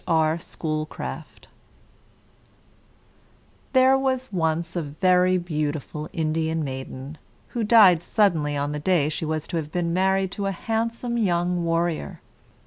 R. SCHOOLCRAFT There was once a very beautiful Indian maiden, who died suddenly on the day she was to have been married to a handsome young warrior.